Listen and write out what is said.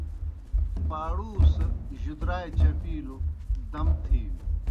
پاڑُو سہ جُدرائے چپِیلوْ دم تِھینوْ۔